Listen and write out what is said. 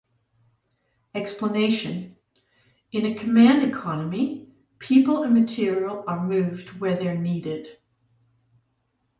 Explanation: In a command economy, people and material are moved where they are needed.